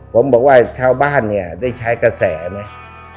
ผมบอกว่าชาวบ้านเนี่ยได้ใช้กระแสไหม